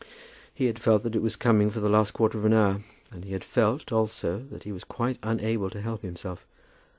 He had felt that it was coming for the last quarter of an hour, and he had felt, also, that he was quite unable to help himself.